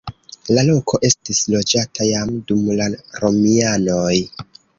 La loko estis loĝata jam dum la romianoj.